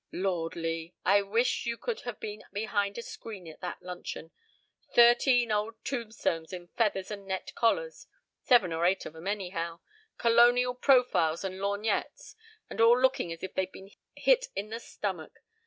"Lord, Lee, I wish you could have been behind a screen at that luncheon. Thirteen old tombstones in feathers and net collars seven or eight of 'em, anyhow colonial profiles and lorgnettes, and all looking as if they'd been hit in the stomach.